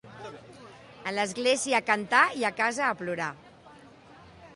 En l'església cantar i a casa a plorar.